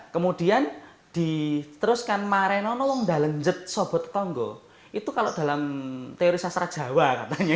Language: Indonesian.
kemudian diteruskan mare nong dalenjet sobatetonggo itu kalau dalam teori sastra jawa